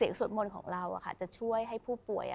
เสียงสวดมนต์ของเราค่ะจะช่วยให้ผู้ป่วย